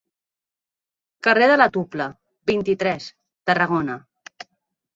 Carrer de la Tupla, vint-i-tres, Tarragona.